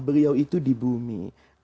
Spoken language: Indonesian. beliau itu di bumi